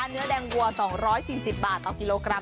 เนื้อแดงวัว๒๔๐บาทต่อกิโลกรัม